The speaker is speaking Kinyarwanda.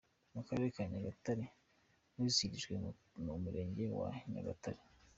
Mu karere ka Nyagatare wizihirijwe mu murenge wa Nyagatare.